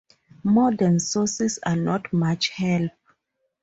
Modern sources are not much help.